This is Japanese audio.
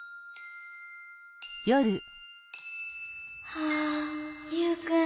はぁユウくん。